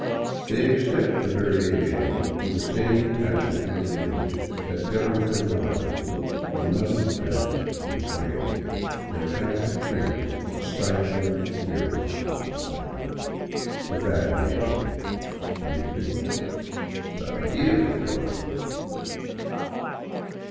They accept the variation with the same passive indifference that governs their lives from mother's back to the grave, their Catholic training stifling the query " why." The fact remains ; the reason —" sabe Dios porque."